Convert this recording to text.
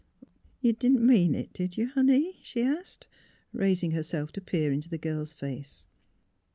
" You — didn't mean it, did you, honey? " she asked, raising herself to peer into the girl's face.